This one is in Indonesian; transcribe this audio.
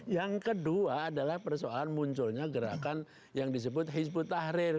yang kedua adalah persoalan munculnya gerakan yang disebut hizbut tahrir